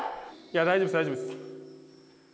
大丈夫です大丈夫です